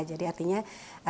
jadi artinya ada pemangkasan